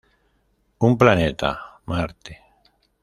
Un planeta, Marte.